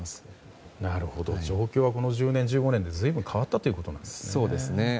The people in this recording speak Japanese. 状況はこの１０年１５年でかなり変わったということなんですね。